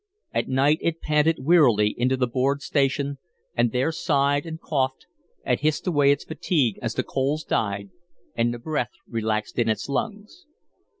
At night it panted wearily into the board station and there sighed and coughed and hissed away its fatigue as the coals died and the breath relaxed in its lungs.